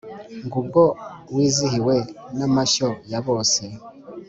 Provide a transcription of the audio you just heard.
ngo ubwo wizihiwe n'amashyo ya bose,